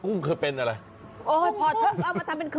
กุ้งเอามาทำเป็นเคอ